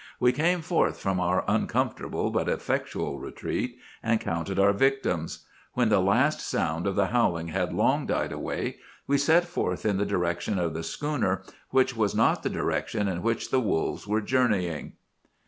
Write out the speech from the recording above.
"We came forth from our uncomfortable but effectual retreat, and counted our victims. When the last sound of the howling had long died away, we set forth in the direction of the schooner, which was not the direction in which the wolves were journeying.